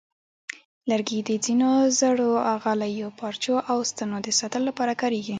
لرګي د ځینو زړو غالیو، پارچو، او ستنو د ساتلو لپاره کارېږي.